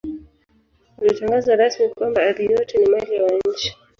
Alitangaza rasmi kwamba ardhi yote ni mali ya wananchi